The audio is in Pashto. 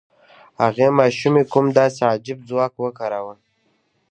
هغې ماشومې کوم داسې عجيب ځواک وکاراوه؟